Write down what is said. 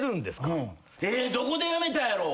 どこでやめたやろ？